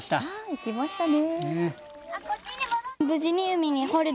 いきましたね。